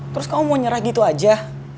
terus kamu mau nyerah gitu aja